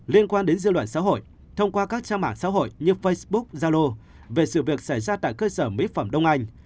liên quan đến dư luận xã hội thông qua các trang mạng xã hội như facebook zalo về sự việc xảy ra tại cơ sở mỹ phẩm đông anh